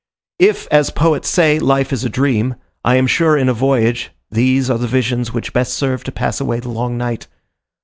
If, as poets say, life is a dream, I am sure in a voyage these are the visions which best serve to pass away the long night.